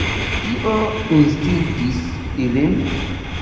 Kio instigis ilin?